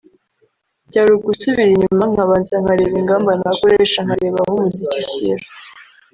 Byari ugusubira inyuma nkabanza nkareba ingamba nakoresha nkareba aho umuziki ushyira